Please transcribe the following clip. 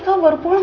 kamu baru pulang